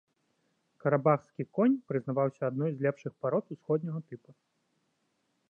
Карабахскі конь прызнаваўся адной з лепшых парод усходняга тыпу.